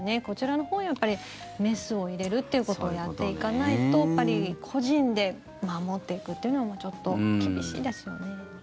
こちらのほうをやっぱりメスを入れるということをやっていかないと個人で守っていくというのはちょっと厳しいですよね。